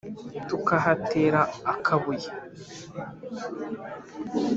tukahatera akabuye.